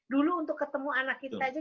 dulu untuk ketemu anak kita aja